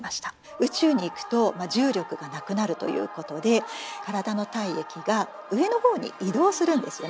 宇宙に行くと重力がなくなるということで体の体液が上のほうに移動するんですよね。